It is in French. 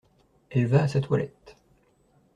Elle va à sa toilette.